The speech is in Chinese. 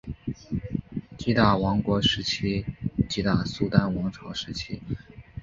吉打王国时期吉打苏丹王朝时期